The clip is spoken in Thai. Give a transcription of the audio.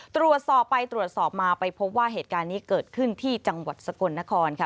ตรวจสอบไปตรวจสอบมาไปพบว่าเหตุการณ์นี้เกิดขึ้นที่จังหวัดสกลนครค่ะ